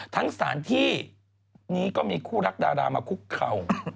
สถานที่นี้ก็มีคู่รักดารามาคุกเข่า